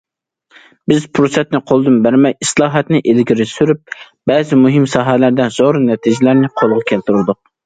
بىز پۇرسەتنى قولدىن بەرمەي ئىسلاھاتنى ئىلگىرى سۈرۈپ، بەزى مۇھىم ساھەلەردە زور نەتىجىلەرنى قولغا كەلتۈردۇق.